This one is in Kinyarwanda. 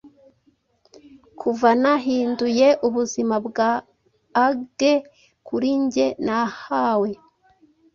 Kuva nahinduye ubuzima bwa agèd kuri njye nahawe